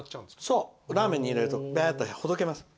そう、ラーメンに入れるとほどけます。